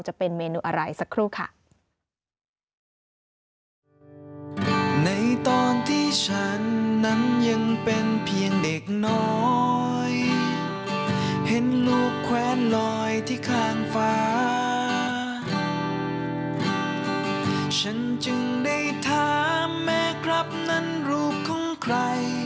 จะเป็นเมนูอะไรสักครู่ค่ะ